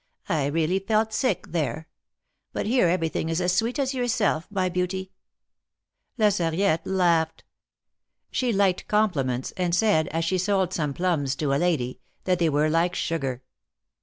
" I really felt sick there. But here everything is as sweet as yourself, my beauty !" La Sarriette laughed. She liked compliments, and said, as she sold some plums to a lady, that they were like sugar.